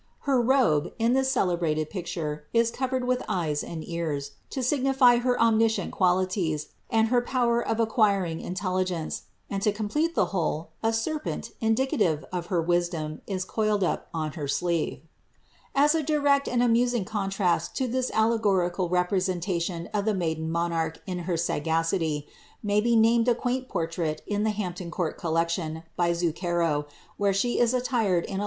Her robe, in flebrated picture, is covered with eyes and eara, to signify her om it qualities, and her power of acquiring intelligence ; and, to com iie whole, a serpent, indicative of her wisdom, is coiled up on her • a direct and amusing contrast to this allegorical representation ci miden monarch in her sagacity, may be named a quaint portrait ut ampton Court coUectioOj by Zuchero, where «W \& ^Vox^ Ssl t 330 ELIZABETH.